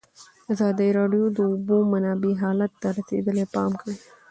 ازادي راډیو د د اوبو منابع حالت ته رسېدلي پام کړی.